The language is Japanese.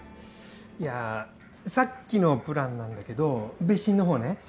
いやさっきのプランなんだけど別寝のほうね。